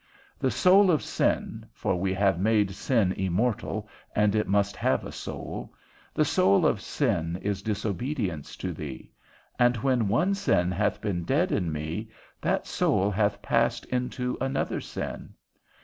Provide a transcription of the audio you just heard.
The soul of sin (for we have made sin immortal, and it must have a soul), the soul of sin is disobedience to thee; and when one sin hath been dead in me, that soul hath passed into another sin.